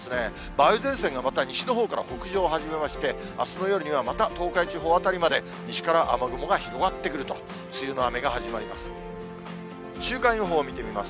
梅雨前線がまた西のほうから北上を始めまして、あすの夜にはまた東海地方辺りまで、西から雨雲が広がってくると、梅雨の雨が始まります。